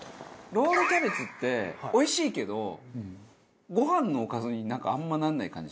ロールキャベツっておいしいけどご飯のおかずになんかあんまならない感じしません？